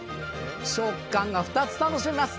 食感が２つ楽しめます。